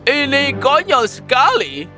ini konyol sekali